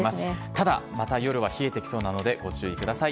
ただ、また夜は冷えてきそうなので、ご注意ください。